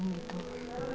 atau ke teman teman gitu